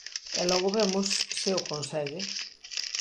E logo vemos se o consegue.